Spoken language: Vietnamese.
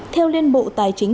theo liên bộ tài chính